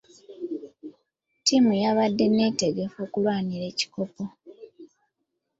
Ttiimu yabadde neetegefu okulwanira ekikopo.